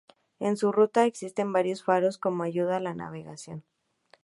En su ruta existen varios faros como ayuda a la navegación.